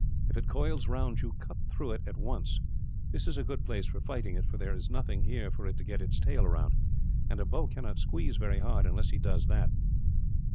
If it coils round you, cut through it at once. This is a good place for fighting it, for there is nothing here for it to get its tail round; and a boa cannot squeeze very hard, unless he does that."